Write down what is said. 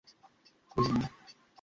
আহ, আমার তা মনে হয় না।